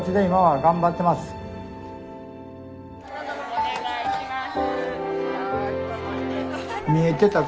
お願いします。